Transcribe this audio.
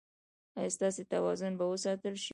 ایا ستاسو توازن به وساتل شي؟